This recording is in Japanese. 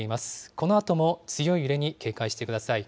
このあとも強い揺れに警戒してください。